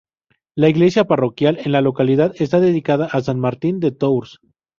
La iglesia parroquial en la localidad está dedicada a san Martín de Tours.